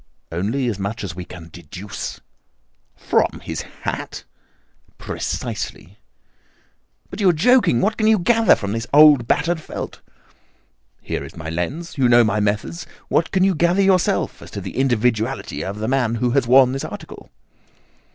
"Only as much as we can deduce." "From his hat?" "Precisely." "But you are joking. What can you gather from this old battered felt?" "Here is my lens. You know my methods. What can you gather yourself as to the individuality of the man who has worn this article?"